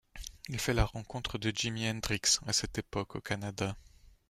Il fait la rencontre de Jimi Hendrix à cette époque au Canada.